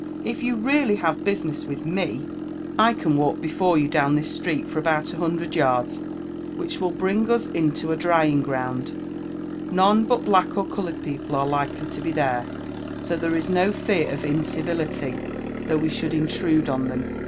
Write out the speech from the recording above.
If you really have business with me, I can walk be %l% LIFE AND ADVENTURES OF fore yon down this street for about a hundred yards, which will bring us into a drying ground — none but black or coloured people are lil^ely to be there, so there is no fear of incivility though we should intrude on them.